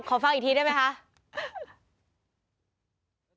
ฟังอีกทีได้ไหมคะ